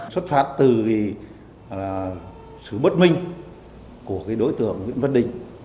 xuất phát từ sự bất minh của đối tượng nguyễn văn đình